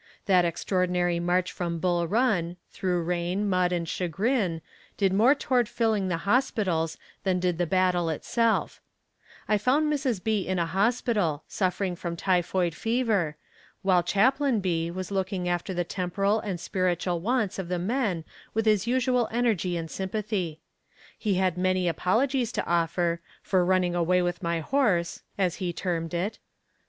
That extraordinary march from Bull Run, through rain, mud, and chagrin, did more toward filling the hospitals than did the battle itself. I found Mrs. B. in a hospital, suffering from typhoid fever, while Chaplain B. was looking after the temporal and spiritual wants of the men with his usual energy and sympathy. He had many apologies to offer "for running away with my horse," as he termed it.